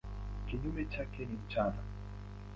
Kinyume chake ni mchana.